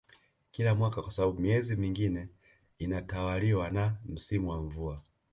kila mwaka kwa sababu miezi mingine inatawaliwa na msimu wa mvua